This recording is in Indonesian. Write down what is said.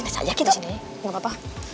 bersih aja kita disini gapapa